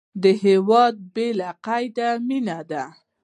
هیواد مې بې له قیده مینه ده